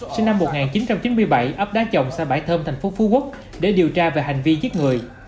sinh năm một nghìn chín trăm chín mươi bảy ấp đá chồng xã bãi thơm thành phố phú quốc để điều tra về hành vi giết người